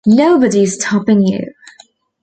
Nobody's stopping you.